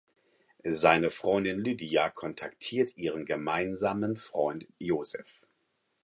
Seine Freundin Lidia kontaktiert ihren gemeinsamen Freund Joseph.